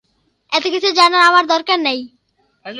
এত কিছু জানার আমার দরকার নেই।